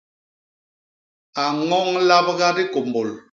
A ñoñ labga dikômbôl.